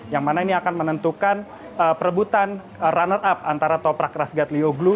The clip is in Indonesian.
yang mana ini akan menentukan perebutan runner up antara toprak rasgat lioglu